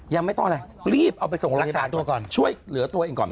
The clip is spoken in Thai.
ยังไม่ต้องอะไรรีบเอาไปส่งรักษาตัวก่อนช่วยเหลือตัวเองก่อน